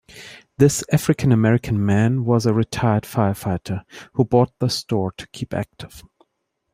This African-American man was a retired firefighter who bought the store to keep active.